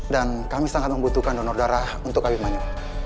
dan kami sangat membutuhkan donor darah untuk abimanyo